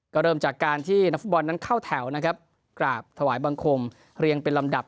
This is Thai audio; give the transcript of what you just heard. ก็เริ่มจากการที่นักฟุตบอลนั้นเข้าแถวนะครับกราบถวายบังคมเรียงเป็นลำดับ